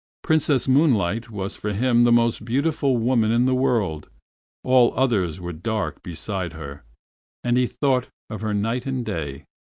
Princess Moonlight was for him the most beautiful woman in the world; all others were dark beside her, and he thought of her night and day.